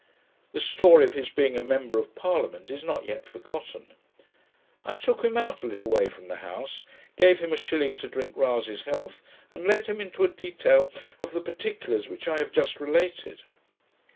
The story of his being a Member of Parliament is not yet forgotten. I took him out a little way from the house, gave him a shilling to drink Rasay's health, and led him into a detail of the particulars which I have just related.